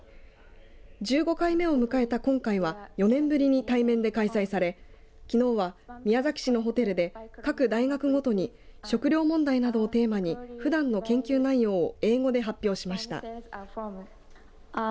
１５回目を迎えた今回は４年ぶりに対面で開催されきのうは宮崎市のホテルで各大学ごとに食糧問題などをテーマにふだんの研究内容を英語で発表しました。